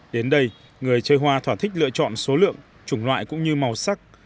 đến đây người chơi hoa thỏa thích lựa chọn số lượng chủng loại cũng như màu sắc